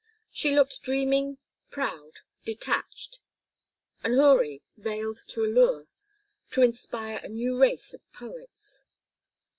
She looked dreaming, proud, detached, an houri veiled to allure, to inspire a new race of poets.